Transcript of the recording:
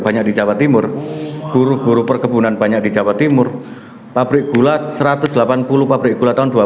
banyak di jawa timur buru perkebunan banyak di jawa timur pabrik gulat satu ratus delapan puluh pabrik gula tahun dua ribu